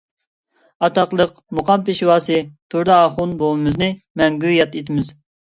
ئاتاقلىق مۇقام پېشۋاسى تۇردى ئاخۇن بوۋىمىزنى مەڭگۈ ياد ئېتىمىز.